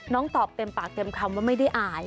ตอบเต็มปากเต็มคำว่าไม่ได้อาย